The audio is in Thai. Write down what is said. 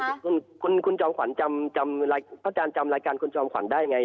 หล่อดร้ายนะคะคุณจอมขวัญจำพระอาจารย์จำรายการคุณจอมขวัญได้ไง